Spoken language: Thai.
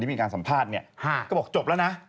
มีการสัมภาษณ์เนี่ยก็บอกจบแล้วนะ